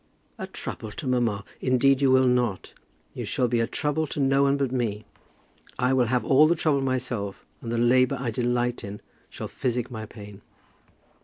"A trouble to mamma! Indeed you will not. You shall be a trouble to no one but me. I will have all the trouble myself, and the labour I delight in shall physic my pain."